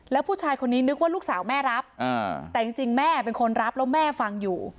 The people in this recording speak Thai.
แล้วผู้ชายคนนี้นึกว่าลูกสาวแม่รับแต่จริงแม่เป็นคนรับแล้วแม่ฟังอยู่